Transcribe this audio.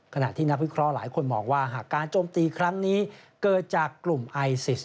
ขณะที่นักวิเคราะห์หลายคนมองว่าหากการโจมตีครั้งนี้เกิดจากกลุ่มไอซิส